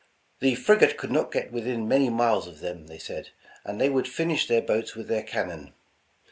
The frigate could not get within many miles of them, they said, and they would finish their boats with their cannon.